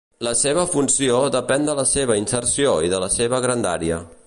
La seva funció depèn de la seva inserció i de la seva grandària.